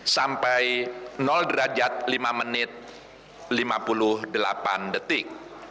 sampai derajat lima menit lima puluh delapan detik